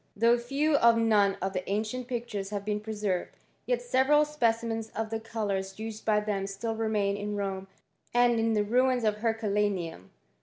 ^ Though few or none of the ancient pictures hMi been preserved, yet several specimens of the co' used by them still remain in Rome and in the ru Herculaneum.